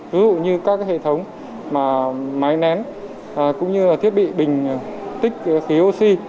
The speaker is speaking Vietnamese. ví dụ như các hệ thống máy nén cũng như là thiết bị bình tích khí oxy